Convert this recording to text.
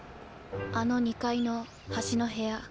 あの２階の端の部屋。